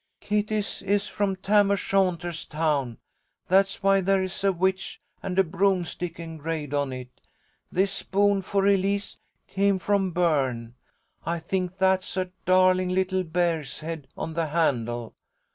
Kitty's is from Tam O'Shanter's town. That's why there is a witch and a broomstick engraved on it. This spoon for Elise came from Berne. I think that's a darling little bear's head on the handle.